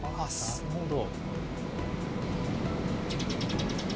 なるほど。